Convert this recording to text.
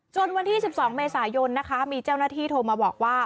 วันที่๑๒เมษายนนะคะมีเจ้าหน้าที่โทรมาบอกว่า